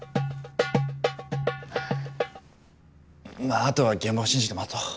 まああとは現場を信じて待とう。